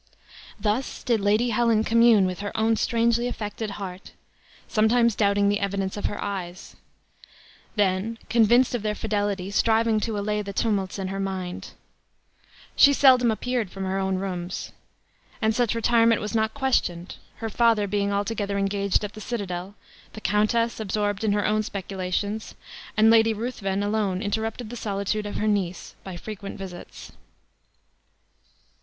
Thus did Lady Helen commune with her own strangely affected heart; sometimes doubting the evidence of her eyes; then, convinced of their fidelity, striving to allay the tumults in her mind. She seldom appeared from her own rooms. And such retirement was not questioned, her father being altogether engaged at the citadel, the countess absorbed in her own speculations, and Lady Ruthven alone interrupted the solitude of her niece by frequent visits.